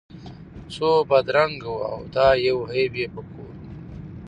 خو بدرنګه وو دا یو عیب یې په کور وو